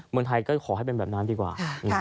เมืองไทยก็ขอให้เป็นแบบนั้นดีกว่า